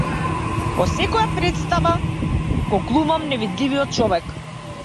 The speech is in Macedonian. Во секоја претстава го глумам невидливиот човек!